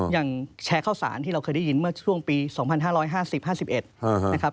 อย่างแชร์ข้าวสารที่เราเคยได้ยินเมื่อช่วงปี๒๕๕๐๕๑นะครับ